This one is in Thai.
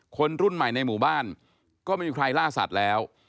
คนรุ่นใหม่ในหมู่บ้านก็ไม่มีใครล่าสัตว์แล้ว